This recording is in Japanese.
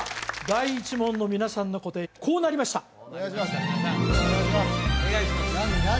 第１問の皆さんの答えこうなりましたお願いします何？